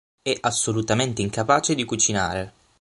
È assolutamente incapace di cucinare.